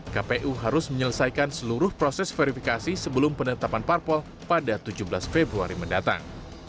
kpu harus menyelesaikan seluruh proses verifikasi sebelum penetapan parpol pada tujuh belas februari mendatang